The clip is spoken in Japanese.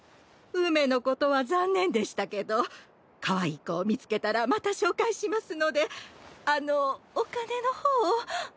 梅のことは残念でしたけどカワイイ子を見つけたらまた紹介しますのであのうお金の方を。